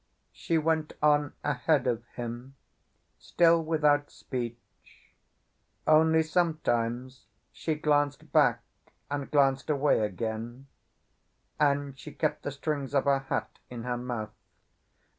She went on ahead of him, still without speech; only sometimes she glanced back and glanced away again, and she kept the strings of her hat in her mouth.